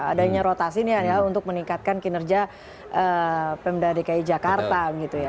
adanya rotasi ini adalah untuk meningkatkan kinerja pemda dki jakarta gitu ya